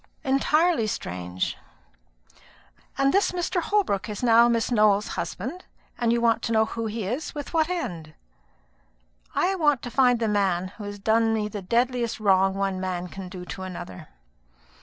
"Entirely strange." "And this Mr. Holbrook is now Miss Nowell's husband? and you want to know who he is? With what end?" "I want to find the man who has done me the deadliest wrong one man can do another."